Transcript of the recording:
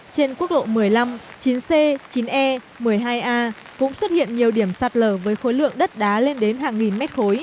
trên quốc lộ một mươi năm chín c chín e một mươi hai a cũng xuất hiện nhiều điểm sạt lở với khối lượng đất đá lên đến hàng nghìn mét khối